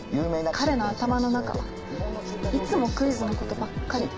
彼の頭の中はいつもクイズの事ばっかりで。